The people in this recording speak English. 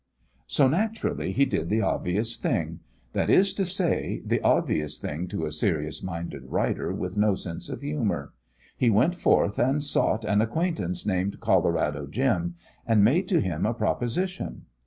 So, naturally, he did the obvious thing that is to say, the obvious thing to a serious minded writer with no sense of humour. He went forth and sought an acquaintance named Colorado Jim, and made to him a proposition.